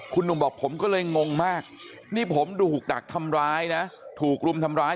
คุณหนุ่มบอกผมก็เลยงงมากนี่ผมดูถูกดักทำร้ายนะถูกรุมทำร้าย